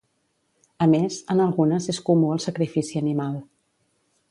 A més, en algunes és comú el sacrifici animal.